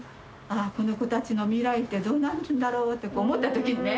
ああこの子たちの未来ってどうなるんだろうって思った時にね